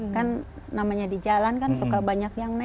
kan namanya di jalan kan suka banyak yang main